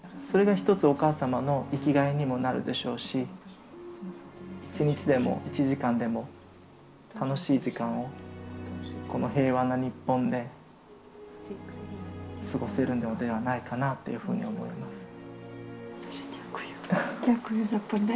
それが一つ、お母様の生きがいにもなるでしょうし、１日でも１時間でも、楽しい時間を、この平和な日本で、過ごせるのではないかなというふうに思います。